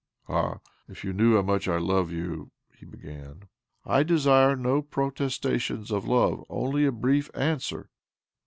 ' Ah, if you knew how much I loVe you 1 " he began. "■ I desire no protestations of love — only a brief answer."